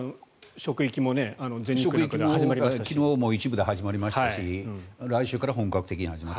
職域、昨日も一部で始まりましたし来週から本格的に始まる。